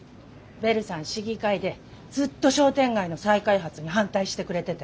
ベルさん市議会でずっと商店街の再開発に反対してくれてて。